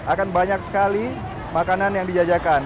akan banyak sekali makanan yang dijajakan